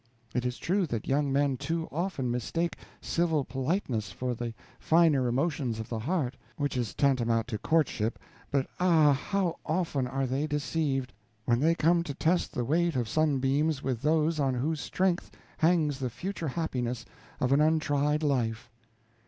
It is true that young men too often mistake civil politeness for the finer emotions of the heart, which is tantamount to courtship; but, ah! how often are they deceived, when they come to test the weight of sunbeams with those on whose strength hangs the future happiness of an untried life."